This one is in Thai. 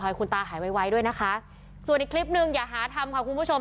ให้คุณตาหายไวด้วยนะคะส่วนอีกคลิปหนึ่งอย่าหาทำค่ะคุณผู้ชม